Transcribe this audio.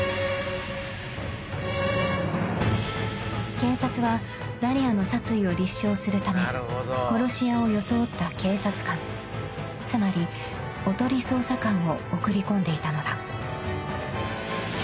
［警察はダリアの殺意を立証するため殺し屋を装った警察官つまりおとり捜査官を送り込んでいたのだ］